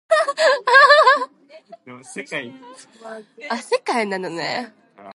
These are currently in storage at the Bentley Historical Library.